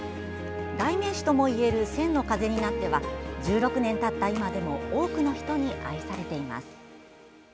代名詞ともいえる「千の風になって」は１６年たった今でも多くの人に愛されています。